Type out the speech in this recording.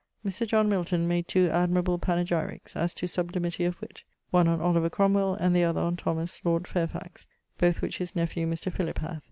Mr. John Milton made two admirable panegyricks, as to sublimitie of witt, one on Oliver Cromwel, and the other on Thomas, lord Fairfax, both which his nephew Mr. Philip hath.